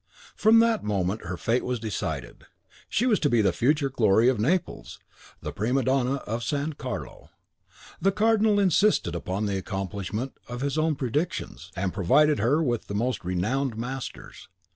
From that moment her fate was decided: she was to be the future glory of Naples, the prima donna of San Carlo. The Cardinal insisted upon the accomplishment of his own predictions, and provided her with the most renowned masters.